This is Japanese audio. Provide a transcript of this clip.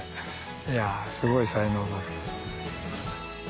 いやすごい才能。